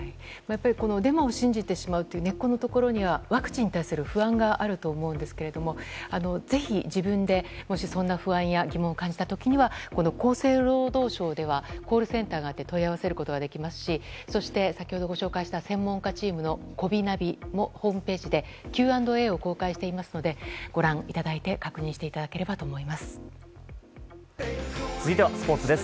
デマを信じてしまうという根っこのところにはワクチンに対する不安があると思うんですがぜひ自分で、もしそんな不安や疑問を感じた時には厚生労働省ではコールセンターがあって問い合わせることができますしそして、先ほどご紹介しました専門家チームのこびナビもホームページでＱ＆Ａを公開していますのでご覧いただいて確認していただければと思います。